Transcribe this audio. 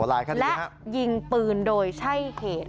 และยิงปืนโดยใช่เหตุ